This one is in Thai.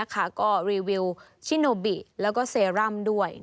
ก็รีวิวชิโนบิแล้วก็เซรั่มด้วย